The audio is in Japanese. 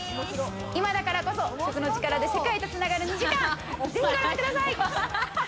今だからこそ、食の力で世界と繋がる２時間、ぜひご覧ください。